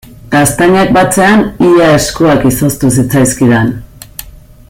Gaztainak batzean ia eskuak izoztu zitzaizkidan.